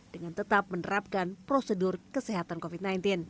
dengan tetap menerapkan prosedur kesehatan covid sembilan belas